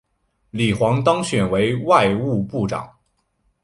李璜当选为外务部长。